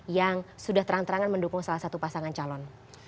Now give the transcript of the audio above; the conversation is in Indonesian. yang sudah terang terangan mendukung salah satu pasangan calon